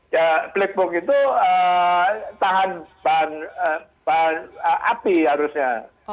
ya black box itu tahan api harusnya